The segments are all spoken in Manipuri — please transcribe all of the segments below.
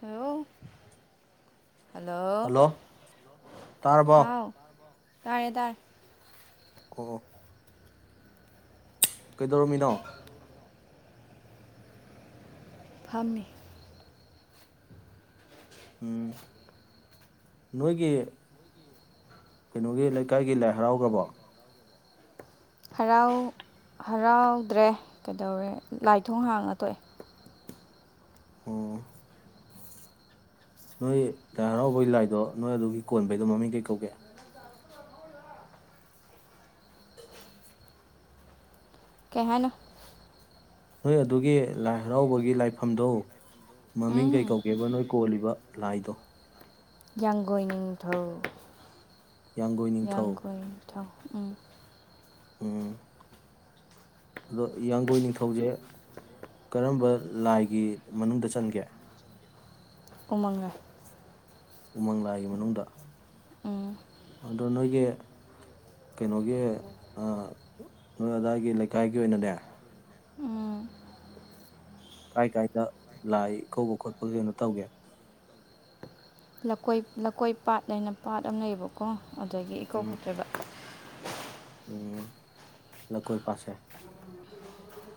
ꯍꯂꯣ ꯍꯜꯂꯣ ꯇꯥꯔꯕꯣ ꯇꯔꯦ ꯇꯔ ꯑꯣ ꯀꯩꯗꯧꯔꯝꯃꯤꯅꯣ ꯐꯝꯃꯤ ꯎꯝ ꯅꯣꯏꯒꯤ ꯀꯩꯅꯣꯒꯤ ꯂꯩꯀꯥꯏꯒꯤ ꯂꯥꯏ ꯍꯔꯥꯎꯈ꯭ꯔꯕꯣ ꯍꯔꯥꯎ ꯍꯔꯥꯎꯗ꯭ꯔꯦ ꯀꯩꯗꯧꯔꯦ ꯂꯥꯏꯊꯣꯡ ꯍꯥꯡꯉ ꯇꯣꯛꯑꯦ ꯑꯣ ꯅꯣꯏ ꯂꯥꯏ ꯍꯔꯥꯎꯕꯒꯤ ꯂꯥꯏꯗꯣ ꯅꯣꯏ ꯑꯗꯨꯒꯤ ꯀꯣꯟꯕꯩꯗꯣ ꯃꯃꯤꯡ ꯀꯩ ꯀꯧꯒꯦ ꯀꯍꯅ ꯅꯣꯏ ꯑꯗꯨꯒꯤ ꯂꯥꯏ ꯍꯔꯥꯎꯕꯒꯤ ꯂꯥꯏꯐꯝꯗꯣ ꯃꯃꯤꯡ ꯀꯩ ꯎꯝ ꯀꯧꯒꯦꯕ ꯅꯣꯏ ꯀꯣꯜꯂꯤꯕ ꯂꯥꯏꯗꯣ ꯌꯥꯡꯒꯣꯏꯅꯤꯡꯊꯧꯊꯧ ꯌꯥꯡꯒꯣꯏ ꯌꯥꯥꯡ ꯅꯤꯡꯊꯧ ꯀ ꯊꯥꯎ ꯎꯝ ꯎꯝ ꯑꯗꯣ ꯌꯥꯡꯒꯣꯏ ꯅꯤꯡꯊꯧꯁꯦ ꯀꯔꯝꯕ ꯂꯥꯏꯒꯤ ꯃꯅꯨꯡꯗ ꯆꯟꯒꯦ ꯎꯃꯉꯥ ꯎꯃꯪ ꯂꯥꯏꯒꯤ ꯃꯅꯨꯡꯗ ꯎꯝ ꯑꯗꯣ ꯅꯣꯏꯒꯤ ꯀꯩꯅꯣꯒꯤ ꯅꯣꯏ ꯑꯗꯥꯏꯒꯤ ꯂꯩꯀꯥꯏꯒꯤ ꯑꯣꯏꯅꯅꯦ ꯎꯝ ꯀꯥꯏ ꯀꯥꯏꯗ ꯂꯥꯏ ꯀꯧꯕ ꯈꯣꯠꯄ ꯑꯣꯏꯅꯣ ꯇꯧꯒꯦ ꯂꯀꯣꯏ ꯂꯀꯣꯏ ꯄꯥꯠ ꯍꯥꯏꯅ ꯄꯥꯠ ꯑꯃ ꯂꯩꯌꯦꯕꯀꯣ ꯑꯗꯒꯤ ꯏꯀꯣꯛ ꯎꯝ ꯈꯠꯇ꯭ꯔꯕ ꯎꯝ ꯂꯀꯣꯏ ꯄꯥꯠꯁꯦ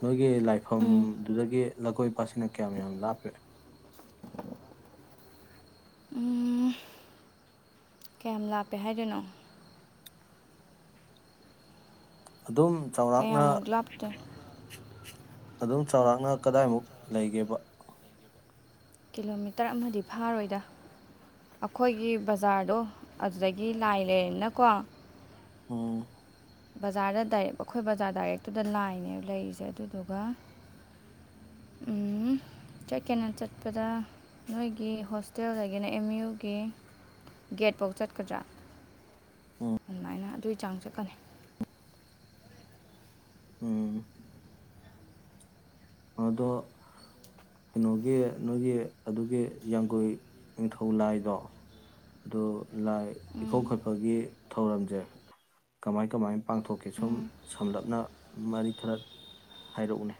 ꯅꯣꯏꯒꯤ ꯎꯝ ꯂꯥꯏꯐꯝꯗꯨꯗꯒꯤ ꯂꯀꯣꯏ ꯄꯥꯠꯁꯤꯅ ꯀꯌꯥꯝ ꯌꯥꯝ ꯂꯥꯞꯄꯤꯄꯦ ꯎꯝ ꯀꯌꯥꯝ ꯂꯥꯞꯄꯦ ꯍꯥꯏꯗꯣꯏꯅꯣ ꯑꯗꯨꯝ ꯆꯥꯎꯔꯥꯛꯅ ꯀꯌꯥꯃꯨꯛ ꯂꯥꯞꯇꯦ ꯑꯗꯨꯝ ꯆꯥꯎꯔꯥꯛꯅ ꯀꯗꯥꯏꯃꯨꯛ ꯂꯩꯒꯦꯕ ꯀꯤꯂꯣꯃꯤꯇꯔ ꯑꯃꯗꯤ ꯐꯥꯔꯣꯏꯗ ꯑꯩꯈꯣꯏꯒꯤ ꯕꯖꯥꯔꯗꯣ ꯑꯗꯨꯗꯒꯤ ꯂꯥꯏ ꯂꯩꯔꯦꯅꯀꯣ ꯎꯝ ꯕꯖꯥꯔꯗ ꯗꯥꯏꯔꯦꯛ ꯑꯩꯈꯣꯏ ꯕꯖꯥꯔ ꯗꯥꯏꯔꯦꯛꯇꯨꯗ ꯂꯥꯏꯅꯦꯕ ꯂꯩꯔꯤꯁꯦ ꯑꯗꯨꯗꯨꯒ ꯆꯠꯀꯦꯅ ꯆꯠꯄꯗ ꯅꯣꯏꯒꯤ ꯍꯣꯁꯇꯦꯜꯗꯒꯤꯅ ꯑꯦꯝ ꯌꯨꯒꯤ ꯒꯦꯠꯐꯧ ꯆꯠꯀꯗ꯭ꯔꯥ ꯎꯝ ꯑꯗꯨꯃꯥꯏꯅ ꯑꯗꯨ ꯆꯥꯡ ꯆꯛꯀꯅꯤ ꯎꯝ ꯑꯗꯣ ꯀꯩꯅꯣꯒꯤ ꯅꯣꯏꯒꯤ ꯑꯗꯨꯒꯤ ꯌꯥꯡꯒꯣꯏ ꯅꯤꯡꯊꯧ ꯂꯥꯏꯗꯣ ꯑꯗꯨ ꯂꯥꯏ ꯏꯈꯧ ꯎꯝ ꯈꯣꯠꯄꯒꯤ ꯊꯧꯔꯝꯁꯦ ꯀꯃꯥꯏ ꯀꯃꯥꯏꯅ ꯄꯥꯡꯊꯣꯛꯀꯦ ꯁꯨꯝ ꯎꯝ ꯁꯝꯂꯞꯅ ꯃꯔꯤ ꯈꯔ ꯍꯥꯏꯔꯛꯎꯅꯦ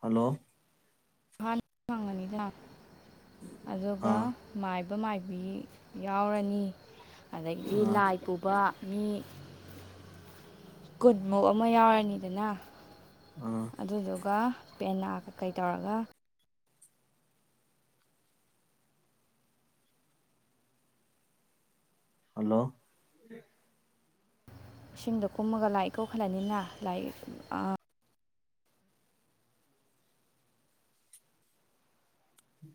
ꯍꯜꯂꯣ ꯑꯅꯤ ꯂꯥꯛ ꯑꯗꯨꯒ ꯑꯥ ꯃꯥꯏ ꯃꯥꯏꯕꯤ ꯌꯥꯎꯔꯅꯤ ꯑꯗꯩꯗꯤ ꯑꯥ ꯂꯥꯏ ꯄꯨꯕ ꯃꯤ ꯀꯨꯟꯃꯨꯛ ꯑꯃ ꯌꯥꯎꯔꯅꯤꯗꯅ ꯑꯥ ꯑꯗꯨꯗꯨꯒ ꯄꯦꯅꯥ ꯀ ꯀꯩ ꯇꯧꯔꯒ ꯍꯜꯂꯣ ꯏꯁꯤꯡꯗꯣ ꯀꯨꯝꯃꯒ ꯂꯥꯏ ꯀꯣꯛꯈꯠꯂꯅꯤꯅ ꯂꯥꯏ ꯎꯝ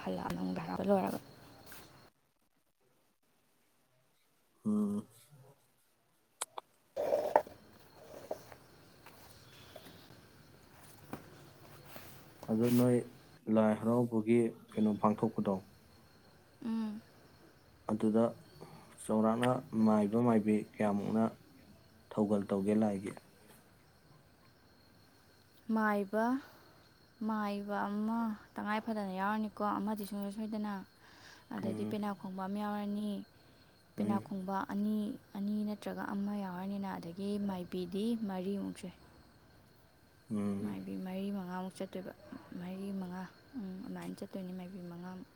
ꯍꯜꯂꯛ ꯅꯪ ꯚꯔꯥꯎꯒ ꯂꯣꯏꯔꯕꯣꯏ ꯑꯣ ꯑꯗꯨ ꯅꯣꯏ ꯂꯥꯏ ꯍꯔꯥꯎꯕꯒꯤ ꯀꯩꯅꯣ ꯄꯥꯡꯊꯣꯛꯄꯗꯣ ꯎꯝ ꯑꯗꯨꯗ ꯆꯥꯎꯔꯥꯛꯅ ꯃꯥꯏꯕ ꯃꯥꯏꯕꯤ ꯀꯌꯥꯃꯨꯛꯅ ꯊꯧꯒꯜ ꯇꯧꯒꯦ ꯂꯥꯏꯒꯤ ꯃꯥꯏꯕ ꯃꯥꯏꯕ ꯑꯃ ꯇꯉꯥꯏꯐꯗꯅ ꯌꯥꯎꯔꯅꯤꯀꯣ ꯑꯃꯗꯤ ꯁꯨꯡꯁꯣꯏ ꯁꯣꯏꯗꯅ ꯑꯗꯩꯗꯤ ꯎꯝ ꯄꯦꯅꯥ ꯈꯣꯡꯕ ꯑꯃ ꯌꯥꯎꯔ ꯑꯅꯤ ꯎꯝ ꯄꯦꯅꯥꯈꯣꯡꯕ ꯑꯅꯤ ꯑꯅꯤ ꯅꯠꯇ꯭ꯔꯒ ꯑꯃ ꯌꯥꯎꯔꯅꯤꯅ ꯑꯗꯒꯤ ꯃꯥꯏꯕꯤꯗꯤ ꯃꯔꯤꯃꯨꯛ ꯁꯦ ꯎꯝ ꯃꯥꯏꯕꯤ ꯃꯔꯤ ꯃꯉꯥꯃꯛ ꯆꯠꯇꯣꯏꯕ ꯃꯥꯏꯔꯤ ꯃꯉꯥꯝ ꯑꯗꯨꯃꯥꯏꯅ ꯆꯠꯇꯣꯏꯅꯤ ꯃꯥꯏꯕꯤ ꯃꯉꯥꯃꯨꯛ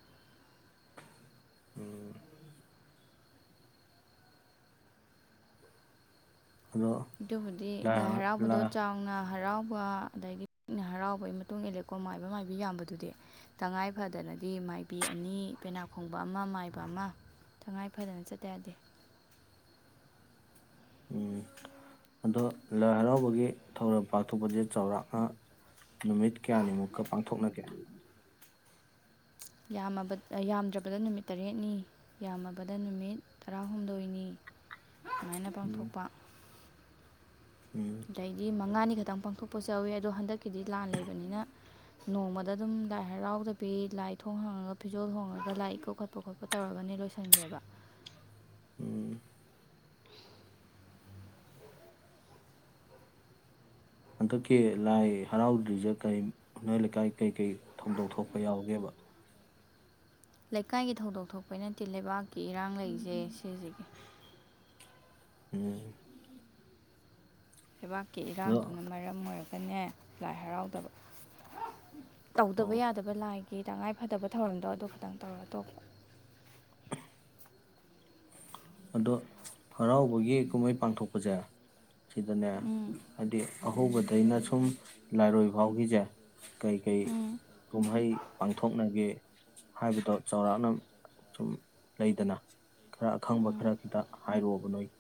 ꯎꯝ ꯑꯗꯣ ꯑꯗꯨꯕꯨꯗꯤ ꯂꯥꯏ ꯍꯔꯥꯎꯕꯗꯣ ꯆꯥꯎꯅ ꯍꯔꯥꯎꯕ ꯑꯗꯒꯤ ꯄꯤꯛꯅ ꯍꯔꯥꯎꯕꯒꯤ ꯃꯇꯨꯡ ꯏꯜꯂꯦꯀꯣ ꯃꯥꯏꯕ ꯃꯥꯏꯕꯤ ꯌꯥꯝꯕꯗꯨꯗꯤ ꯇꯉꯥꯏ ꯐꯗꯅꯗꯤ ꯃꯥꯏꯕꯤ ꯑꯅꯤ ꯄꯦꯅꯥ ꯈꯣꯡꯕ ꯑꯃ ꯃꯥꯏꯕ ꯑꯃ ꯇꯉꯥꯏ ꯐꯗꯅ ꯆꯠꯇ ꯌꯥꯗꯦ ꯎꯝ ꯑꯗꯣ ꯂꯥꯏ ꯍꯔꯥꯎꯕꯒꯤ ꯊꯧꯔꯝ ꯄꯥꯡꯊꯣꯛꯄꯁꯦ ꯆꯥꯎꯔꯥꯛꯅ ꯅꯨꯃꯤꯠ ꯀꯌꯥꯅꯤꯃꯨꯛꯀ ꯄꯥꯡꯊꯣꯛꯅꯒꯦ ꯌꯥꯝꯃꯕ ꯌꯥꯝꯗ꯭ꯔꯕꯗ ꯅꯨꯃꯤꯠ ꯇꯔꯦꯠꯅꯤ ꯌꯥꯝꯃꯕꯗ ꯅꯨꯃꯤꯠ ꯇꯔꯥꯍꯨꯝꯗꯣꯏꯅꯤ ꯁꯨꯃꯥꯏꯅ ꯄꯥꯡꯊꯣꯛꯄ ꯎꯝ ꯂꯩꯗꯤ ꯃꯉꯥꯅꯤ ꯈꯤꯇꯪ ꯄꯥꯡꯊꯣꯛꯄꯁꯨꯎꯋꯤ ꯑꯗꯣ ꯍꯟꯗꯛꯀꯤꯗꯤ ꯂꯥꯟ ꯂꯩꯕꯅꯤꯅ ꯅꯣꯡꯃꯗ ꯑꯗꯨꯝ ꯂꯥꯏ ꯍꯔꯥꯎꯗꯕꯤ ꯂꯥꯏ ꯊꯣꯡ ꯍꯥꯡꯉꯒ ꯐꯤꯖꯣꯜ ꯍꯣꯡꯉꯒ ꯂꯥꯏ ꯏꯀꯨ ꯈꯣꯠꯄ ꯈꯣꯠꯄ ꯇꯧꯔꯒꯅꯦ ꯂꯣꯏꯁꯤꯟꯈ꯭ꯔꯦꯕ ꯎꯝ ꯍꯟꯗꯛꯀꯤ ꯂꯥꯏ ꯍꯔꯥꯎꯗ꯭ꯔꯤꯁꯦ ꯀꯔꯤ ꯅꯏ ꯂꯩꯀꯥꯏ ꯀꯩꯀꯩ ꯊꯧꯗꯣꯛ ꯊꯣꯛꯄ ꯌꯥꯎꯒꯦꯕ ꯂꯩꯀꯥꯏꯒꯤ ꯊꯧꯗꯣꯛ ꯊꯣꯛꯄ ꯅꯠꯇꯦ ꯂꯩꯕꯥꯛ ꯀꯤ ꯏꯔꯥꯡ ꯂꯩꯁꯦ ꯁꯤꯁꯤꯒꯤ ꯎꯝ ꯂꯩꯕꯥꯛꯀꯤ ꯑꯗꯣ ꯏꯔꯥꯡꯗꯨꯅ ꯃꯔꯝ ꯑꯣꯏꯔꯒ ꯅꯦ ꯂꯥꯏ ꯍꯔꯥꯎꯗꯕ ꯇꯧꯗꯕ ꯑꯣ ꯌꯥꯗꯕ ꯂꯥꯏ ꯒꯤ ꯇꯉꯥꯏꯐꯗꯕ ꯊꯧꯔꯝꯗꯣ ꯑꯗꯨ ꯈꯇꯪ ꯇꯧꯔ ꯇꯣꯛꯄ ꯑꯗꯣ ꯍꯔꯥꯎꯕꯒꯤ ꯀꯨꯝꯍꯩ ꯄꯥꯡꯊꯣꯛꯄꯁꯦ ꯁꯤꯗꯅ ꯎꯝ ꯍꯥꯏ ꯑꯍꯧꯕꯗ ꯑꯩꯅ ꯁꯨꯝ ꯂꯥꯏꯔꯣꯏ ꯐꯥꯎꯈꯤꯁꯦ ꯀꯩꯀꯩ ꯎꯝ ꯀꯨꯝꯍꯩ ꯄꯥꯡꯊꯣꯛꯅꯒꯦ ꯍꯥꯏꯕꯗꯣ ꯆꯥꯎꯔꯥꯛꯅ ꯁꯨꯝ ꯂꯩꯗꯅ ꯈꯔ ꯈꯪꯕ ꯎꯝ ꯈꯔ ꯇ ꯍꯥꯏꯔꯛꯑꯣꯕ ꯅꯣꯏ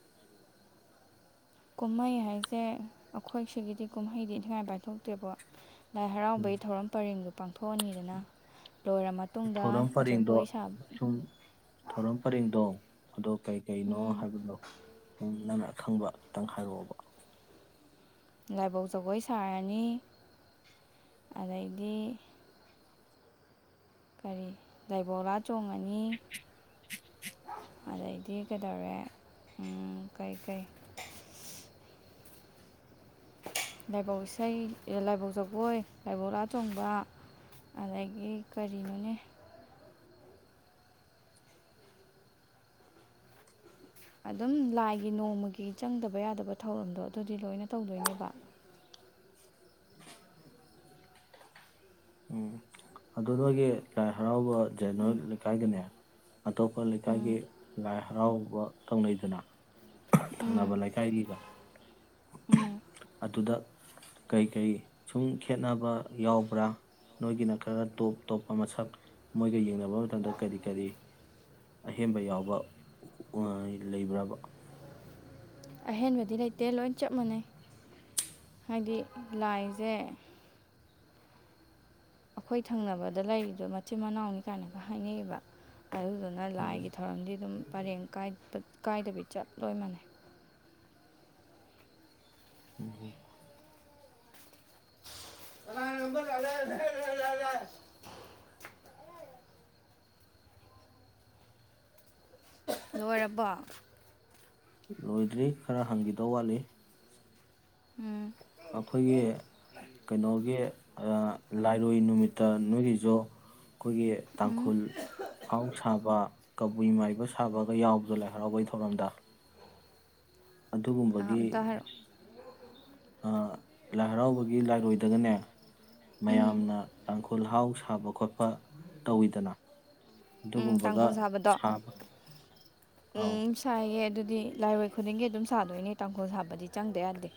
ꯀꯨꯝꯍꯩ ꯍꯥꯏꯁꯦ ꯑꯩꯈꯣꯏ ꯁꯤꯒꯤꯗꯤ ꯀꯨꯝꯍꯩꯗꯤ ꯊꯉꯥꯏ ꯄꯥꯏꯊꯣꯛꯇ꯭ꯔꯦꯕ ꯂꯥꯏ ꯍꯔꯥꯎꯕꯒꯤ ꯊꯧꯔꯝ ꯄꯔꯤꯡꯗꯨ ꯄꯥꯡꯊꯣꯛꯑꯅꯤꯗꯅ ꯂꯣꯏꯔ ꯃꯇꯨꯡꯗ ꯊꯧꯔꯝ ꯄꯔꯦꯡꯗꯣ ꯖꯒꯣꯏ ꯁꯥꯕ ꯁꯨꯝ ꯊꯧꯔꯝ ꯄꯔꯦꯡꯗꯣ ꯑꯗꯣ ꯀꯩ ꯀꯩꯅꯣ ꯎꯝ ꯍꯥꯏꯕꯗꯣ ꯁꯨꯝꯪꯛ ꯈꯪꯕ ꯈꯤꯇꯪ ꯍꯥꯏꯔꯛꯑꯣꯕ ꯂꯥꯏꯕꯧ ꯖꯒꯣꯏ ꯁꯥꯔꯅꯤ ꯑꯗꯩꯗꯤ ꯀꯔꯤ ꯂꯥꯏꯕꯧꯂꯥ ꯆꯣꯡꯉꯅꯤ ꯑꯗꯩꯗꯤ ꯀꯩꯗꯧꯔꯦ ꯀꯩꯀꯩ ꯂꯥꯏꯕꯧ ꯏꯁꯩ ꯂꯥꯏꯕꯧ ꯖꯒꯣꯏ ꯂꯥꯏꯕꯧ ꯂꯥ ꯆꯣꯡꯕ ꯑꯗꯒꯤ ꯀꯔꯤꯅꯣꯅꯦ ꯑꯗꯨꯝ ꯂꯥꯏꯒꯤ ꯅꯣꯡꯃꯒꯤ ꯆꯪꯗꯕ ꯌꯥꯗꯕ ꯊꯧꯔꯝꯗꯣ ꯑꯗꯨꯗꯤ ꯂꯣꯏꯅ ꯇꯧꯗꯣꯏꯅꯦꯕ ꯎꯝ ꯑꯗꯨ ꯅꯣꯏꯒꯤ ꯂꯥꯏ ꯍꯔꯥꯎꯕ ꯖꯅ ꯎꯝ ꯀꯥꯏ ꯀꯅꯤ ꯑꯇꯣꯞꯄ ꯎꯝ ꯂꯩꯀꯥꯏꯒꯤ ꯂꯥꯏ ꯍꯔꯥꯎ ꯐ ꯀꯧꯅꯩꯗꯅ ꯊꯪꯅꯕ ꯎꯝ ꯂꯩꯀꯥꯏꯒꯤꯒ ꯎꯝ ꯑꯗꯨꯗ ꯀꯩꯀꯩ ꯁꯨꯝ ꯈꯦꯅꯕ ꯌꯥꯎꯕ꯭ꯔꯥ ꯅꯣꯏꯒꯤꯅ ꯈꯔ ꯇꯣꯞ ꯇꯣꯞꯄ ꯃꯁꯛ ꯃꯣꯏꯒ ꯌꯦꯡꯅꯕ ꯃꯇꯝꯗ ꯀꯔꯤ ꯀꯔꯤ ꯑꯍꯦꯟꯕ ꯌꯥꯎꯕ ꯂꯩꯕ꯭ꯔꯕ ꯑꯍꯦꯟꯕꯗꯤ ꯂꯩꯇꯦ ꯗꯦ ꯂꯣꯏ ꯆꯞ ꯃꯥꯟꯅꯩ ꯍꯥꯏꯗꯤ ꯂꯥꯏꯁꯦ ꯑꯩꯈꯣꯏ ꯊꯪꯅꯕꯗ ꯂꯩꯔꯤꯗꯣ ꯃꯆꯤꯟ ꯃꯅꯥꯎꯅꯤ ꯀꯥꯏꯅꯒ ꯍꯥꯏꯅꯩꯑꯌꯦꯕ ꯑꯗꯨꯗꯨꯅ ꯂꯥꯏꯒꯤ ꯊꯧꯔꯝꯗꯤ ꯑꯗꯨꯝ ꯄꯔꯦꯡ ꯀꯥꯏꯄ ꯀꯥꯏꯗꯕꯤ ꯆꯠ ꯂꯣꯏ ꯃꯥꯟꯅꯩ ꯎꯝꯍꯝ ꯂꯣꯏꯔꯕꯣ ꯂꯣꯏꯗ꯭ꯔꯤ ꯈꯔ ꯍꯪꯈꯤꯗꯧ ꯋꯥꯠꯂꯤ ꯎꯝ ꯑꯩꯈꯣꯏꯒꯤ ꯀꯩꯅꯣꯒꯤ ꯂꯥꯏꯔꯣꯏ ꯅꯨꯃꯤꯠꯇ ꯅꯣꯏꯒꯤꯁꯨ ꯑꯩꯈꯣꯏꯒꯤ ꯎꯝ ꯇꯥꯡꯈꯨꯜ ꯍꯥꯎ ꯁꯥꯕ ꯀꯕꯨꯏ ꯃꯥꯏꯕ ꯁꯥꯕꯒ ꯌꯥꯎꯕꯗꯣ ꯂꯥꯏ ꯍꯔꯥꯎꯕꯒꯤ ꯊꯧꯔꯝꯗ ꯑꯥ ꯑꯗꯨꯒꯨꯝꯕꯒꯤ ꯑꯝꯇ ꯍꯥꯏꯔꯛꯑꯣ ꯂꯥꯏ ꯍꯔꯥꯎꯕꯒꯤ ꯂꯥꯏꯔꯣꯏꯗꯒꯅꯦ ꯎꯝ ꯃꯌꯥꯝꯅ ꯇꯥꯡꯈꯨꯜ ꯍꯥꯎ ꯁꯥꯕ ꯈꯣꯠꯄ ꯇꯧꯋꯤꯗꯅ ꯎꯝ ꯑꯗꯨꯒꯨꯝꯕꯒ ꯀꯥꯡꯥꯡꯈꯨꯜ ꯁꯥꯕꯗꯣ ꯁꯥꯕ ꯑꯥꯎ ꯎꯝ ꯁꯥꯏꯌꯦ ꯑꯗꯨ ꯑꯗꯨ ꯂꯥꯏꯔꯣꯏ ꯈꯨꯗꯤꯡꯒꯤ ꯑꯗꯨꯝ ꯁꯥꯗꯣꯏꯅꯦ ꯇꯥꯡꯈꯣꯜ ꯁꯥꯕꯗꯤ ꯆꯪꯗ ꯌꯥꯗꯦ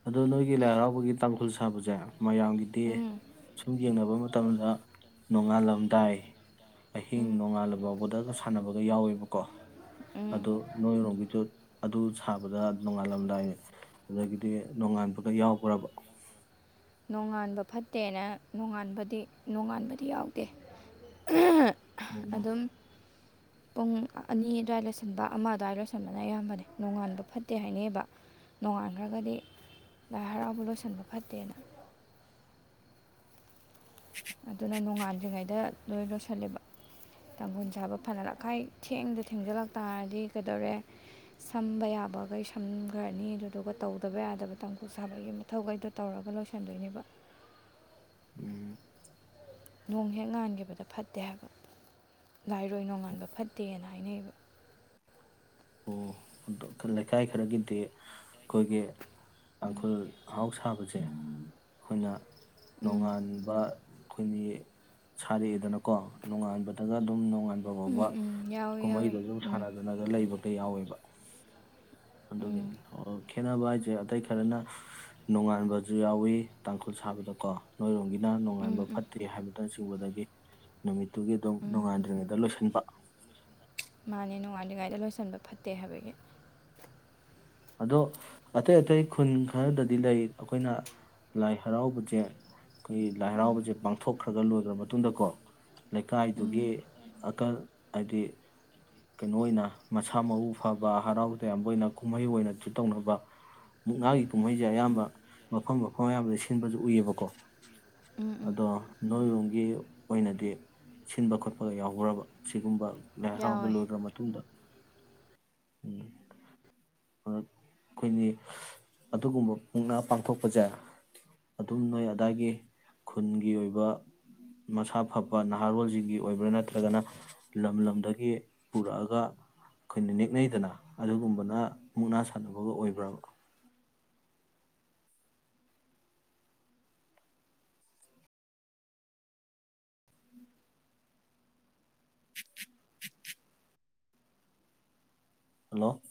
ꯎꯝ ꯑꯗꯣ ꯅꯣꯏꯒꯤ ꯂꯥꯏ ꯍꯔꯥꯎꯕꯒꯤ ꯇꯥꯡꯈꯨꯜ ꯁꯥꯕꯁꯦ ꯃꯌꯥꯝꯒꯤꯗꯤ ꯎꯝ ꯁꯨꯝ ꯌꯦꯡꯅꯕ ꯃꯇꯝꯗ ꯅꯣꯡꯉꯥꯜꯂꯝꯗꯥꯏ ꯑꯍꯤꯡ ꯎꯝ ꯅꯣꯡꯉꯥꯜꯂꯐꯥꯎꯕꯗ ꯁꯥꯟꯅꯕꯒ ꯌꯥꯎꯋꯦꯕꯀꯣ ꯎꯝ ꯑꯗꯣ ꯅꯣꯏꯔꯣꯝꯒꯤꯁꯨ ꯑꯗꯨ ꯁꯥꯕꯗ ꯅꯣꯡꯉꯥꯜꯂꯝꯗꯥꯏ ꯑꯗꯒꯤꯗꯤ ꯅꯣꯡꯉꯥꯟꯕꯒ ꯌꯥꯎꯈ꯭ꯔꯕ ꯅꯣꯡꯉꯥꯟꯕ ꯐꯠꯇꯦꯅ ꯅꯣꯡꯉꯥꯟꯕꯗꯤ ꯅꯣꯡꯉꯥꯟꯕꯗꯤ ꯌꯥꯎꯗꯦ ꯃꯧꯃ ꯑꯗꯨꯝ ꯄꯨꯡ ꯑꯅꯤ ꯑꯗꯨꯋꯥꯏ ꯂꯣꯏꯁꯤꯟꯕ ꯑꯃ ꯑꯗꯨꯋꯥꯏ ꯂꯣꯏꯁꯤꯟꯕꯅ ꯑꯌꯥꯝꯕꯅꯦ ꯅꯣꯡꯉꯥꯟꯕ ꯐꯠꯇꯦ ꯍꯥꯏꯅꯩꯑꯕ ꯅꯣꯡꯉꯥꯟꯈ꯭ꯔꯒꯗꯤ ꯂꯥꯏ ꯍꯔꯥꯎꯕ ꯂꯣꯏꯁꯤꯟꯕ ꯐꯠꯇꯦꯅ ꯑꯗꯨꯅ ꯅꯣꯡꯉꯥꯟꯗ꯭ꯔꯤꯉꯩꯗ ꯂꯣꯏ ꯂꯣꯏꯁꯤꯜꯂꯦꯕ ꯇꯥꯡꯈꯨꯜ ꯁꯥꯕ ꯐꯅꯅꯈꯥꯏ ꯊꯦꯡꯗ ꯊꯦꯡꯖꯤꯜꯂꯛ ꯇꯥꯔꯗꯤ ꯀꯩꯗꯧꯔꯦ ꯁꯝꯕ ꯌꯥꯕꯈꯩ ꯁꯝꯈ꯭ꯔꯅꯤ ꯑꯗꯨꯗꯨꯒ ꯇꯧꯗꯕ ꯌꯥꯗꯕ ꯇꯥꯡꯈꯨꯜ ꯁꯥꯕꯒꯤ ꯃꯊꯧꯈꯩꯗꯣ ꯇꯧꯔꯒ ꯂꯣꯏꯁꯤꯟꯗꯣꯏꯅꯦꯕ ꯎꯝ ꯅꯣꯡ ꯍꯦꯛ ꯉꯥꯟꯈꯤꯕꯗ ꯐꯠꯇꯦ ꯍꯥꯏꯕ ꯂꯥꯏꯔꯣꯏ ꯅꯣꯡꯉꯥꯟꯕ ꯐꯠꯇꯦꯅ ꯍꯥꯏꯅꯩꯕ ꯑꯣ ꯑ ꯂꯩꯀꯥꯏ ꯈꯔꯒꯤꯗꯤ ꯑꯩꯈꯣꯏꯒꯤ ꯇꯥꯡꯈꯨꯜ ꯑꯥꯎ ꯁꯥꯕꯁꯦ ꯍꯅ ꯎꯝ ꯅꯣꯡꯉꯥꯟꯕ ꯑꯩꯈꯣꯏꯒꯤ ꯁꯥꯔꯛꯑꯦꯗꯅꯀꯣ ꯅꯣꯡꯉꯥꯟꯕꯗꯒ ꯑꯗꯨꯝ ꯅꯣꯡꯉꯥ ꯕ ꯎꯝ ꯎꯝ ꯌꯥꯎꯋꯤ ꯌꯥꯎꯋꯤ ꯀꯨꯝꯍꯩꯗꯁꯨ ꯎꯝ ꯁꯥꯟꯅꯗꯅ ꯂꯩꯕ ꯈ ꯌꯥꯎꯋꯦꯕ ꯎꯝ ꯦ ꯈꯦꯠꯅꯕ ꯍꯥꯏꯁꯦ ꯑꯇꯩ ꯈꯔꯅ ꯅꯣꯡꯉꯥꯟꯕꯁꯨ ꯌꯥꯎꯋꯤ ꯇꯥꯡꯈꯨꯜ ꯁꯥꯕꯗꯀꯣ ꯅꯣꯏꯔꯣꯝꯒꯤ ꯎꯝ ꯅꯨꯡꯉꯥꯏꯕ ꯎꯝ ꯐꯠꯇꯦ ꯍꯥꯏꯕꯗ ꯦ ꯅꯃꯤ ꯑꯗꯨꯒꯤ ꯑꯗꯨꯝ ꯎꯝ ꯅꯨꯡꯉꯥꯟꯗ꯭ꯔꯤꯉꯩꯗ ꯂꯣꯏꯁꯤꯟꯕ ꯃꯥꯅꯦ ꯣꯡꯉꯥꯜꯂꯤ ꯒꯥꯥꯏꯗ ꯂꯣꯏꯁꯤꯟꯕ ꯐꯠꯇꯦ ꯍꯥꯏꯕꯒꯤ ꯑꯗꯣ ꯑꯇꯩ ꯑꯇꯩ ꯈꯨꯟ ꯈꯔꯗꯗꯤ ꯂꯩ ꯑꯩꯈꯣꯏꯅ ꯂꯥꯏ ꯍꯔꯥꯎꯕꯁꯦ ꯑꯩꯈꯣꯏꯒꯤ ꯂꯥꯏ ꯎꯝ ꯍꯔꯥꯎꯕꯁꯦ ꯄꯥꯡꯊꯣꯛ ꯈꯔ ꯈꯔ ꯂꯣꯏꯈ꯭ꯔ ꯃꯇꯨꯡꯗꯀꯣ ꯂꯩꯀꯥꯏꯗꯨꯒꯤ ꯎꯝ ꯑꯀꯜ ꯍꯥꯏꯗꯤ ꯀꯩꯅꯣ ꯑꯣꯏꯅ ꯃꯁꯥ ꯃꯎ ꯐꯕ ꯍꯔꯥꯎ ꯇꯌꯥꯝꯕ ꯑꯣꯏꯅ ꯀꯨꯝꯍꯩ ꯑꯣꯏꯅ ꯨ ꯇꯧꯅꯕ ꯃꯨꯛꯅꯥꯒꯤ ꯀꯨꯝꯍꯩꯁꯦ ꯑꯌꯥꯝꯕ ꯃꯐꯝ ꯃꯐꯝ ꯑꯌꯥꯝꯕꯗ ꯁꯤꯟꯕꯁꯨ ꯎꯏꯌꯦꯕꯀꯣ ꯎꯝ ꯎꯝ ꯑꯗꯣ ꯅꯣꯏꯔꯨꯝꯒꯤ ꯑꯣꯏꯅꯗꯤ ꯁꯤꯟꯕ ꯈꯣꯠꯄꯒ ꯌꯥꯎꯈ꯭ꯔꯕ ꯁꯤꯒꯨꯝꯕ ꯂꯥꯏ ꯍꯔꯥꯎꯕ ꯌꯥꯎꯋꯦ ꯂꯣꯏꯈ꯭ꯔ ꯃꯇꯨꯡꯗ ꯎꯝ ꯑꯩꯈꯣꯏꯒꯤ ꯑꯗꯨꯒꯨꯝꯕ ꯃꯨꯛꯅꯥ ꯄꯥꯡꯊꯣꯛꯄꯁꯦ ꯑꯗꯨꯝ ꯅꯣꯏ ꯑꯗꯥꯏꯒꯤ ꯈꯨꯟꯒꯤ ꯑꯣꯏꯕ ꯃꯁꯥ ꯐꯕ ꯅꯍꯥꯔꯣꯜꯁꯤꯡꯒꯤ ꯑꯣꯏꯕ꯭ꯔꯥ ꯅꯠꯇ꯭ꯔꯒꯅ ꯂꯝ ꯂꯝꯗꯒꯤ ꯄꯨꯔꯛꯑꯒ ꯑꯩꯈꯣꯏꯅ ꯅꯤꯦꯛ ꯇꯤꯅꯩꯗꯅ ꯑꯗꯨꯒꯨꯝꯕꯅ ꯃꯨꯛꯅꯥ ꯁꯥꯟꯅꯕꯒ ꯑꯣꯏꯕ꯭ꯔꯕ ꯍꯜꯂꯣ